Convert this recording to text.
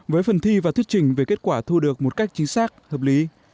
với phần thi và thuyết trình về kết quả thu được một cách chính xác hợp lý